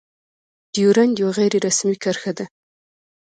ډيورنډ يو غير رسمي کرښه ده.